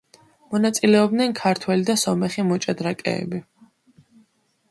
მონაწილეობდნენ ქართველი და სომეხი მოჭადრაკეები.